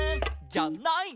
「じゃない」